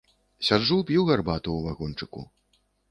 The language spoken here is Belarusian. Сяджу, п'ю гарбату у вагончыку.